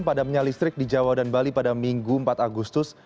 padamnya listrik di jawa dan bali pada minggu empat agustus